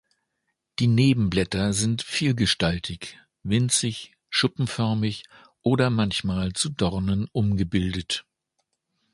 Die Nebenblätter sind vielgestaltig: winzig, schuppenförmig oder manchmal zu Dornen umgebildet.